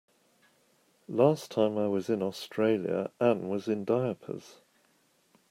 Last time I was in Australia Anne was in diapers.